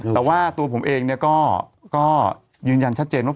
แต่ว่าตัวผมเองก็ยืนยันชัดเจนว่า